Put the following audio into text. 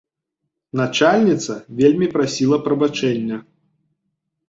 Начальніца вельмі прасіла прабачэння.